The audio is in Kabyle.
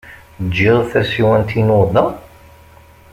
Ǧǧiɣ tasiwant-inu da?